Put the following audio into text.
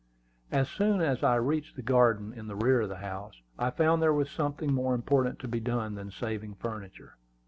As soon as I reached the garden in the rear of the house, I found there was something more important to be done than saving furniture.